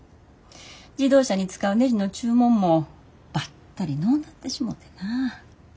自動車に使うねじの注文もパッタリのうなってしもてな。